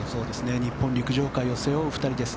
日本陸上界を背負う２人です。